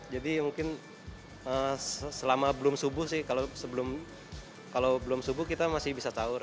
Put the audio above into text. jadi mungkin selama belum subuh sih kalau belum subuh kita masih bisa sahur